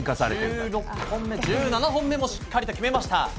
１７本目もしっかり決めた。